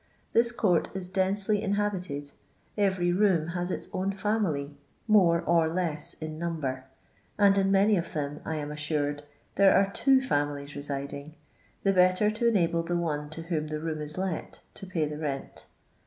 This court is densely inhabited ; every room has its own iJEunily, more ur less in numher ; and in many of thorn, I am assured, there are two &milies residing, the better to enable the one to whom the room is let to p.iy the rent.